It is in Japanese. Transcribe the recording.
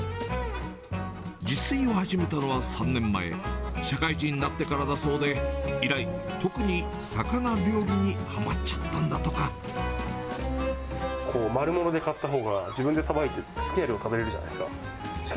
自炊を始めたのは３年前、社会人になってからだそうで、以来、特に魚料理にはまっちゃっこう、丸物で買ったほうが、自分でさばいて、好きな量食べれるじゃないですか。